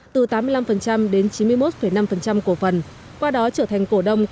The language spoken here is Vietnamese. từ tám mươi năm đến chín mươi một năm cổ phần